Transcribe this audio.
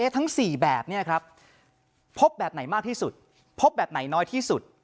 ทั้ง๔แบบนี้ครับพบแบบไหนมากที่สุดพบแบบไหนน้อยที่สุด